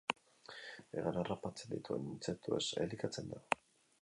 Hegan harrapatzen dituen intsektuez elikatzen da.